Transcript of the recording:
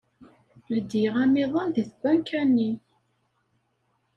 Ledyeɣ amiḍan deg tbanka-nni.